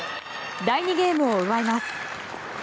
第２ゲームを奪います。